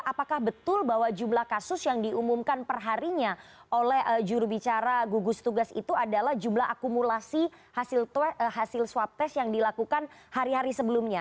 apakah betul bahwa jumlah kasus yang diumumkan perharinya oleh jurubicara gugus tugas itu adalah jumlah akumulasi hasil swab test yang dilakukan hari hari sebelumnya